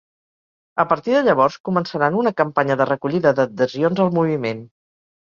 A partir de llavors, començaran una campanya de recollida d’adhesions al moviment.